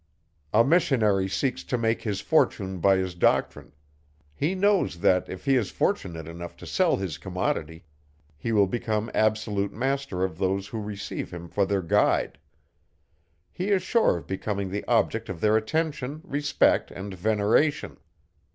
A missionary seeks to make his fortune by his doctrine. He knows that, if he is fortunate enough to sell his commodity, he will become absolute master of those who receive him for their guide; he is sure of becoming the object of their attention, respect, and veneration.